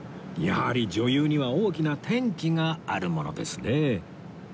やはり女優には大きな転機があるものですね